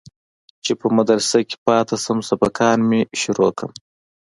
چې په مدرسه كښې پاته سم سبقان مې شروع كم.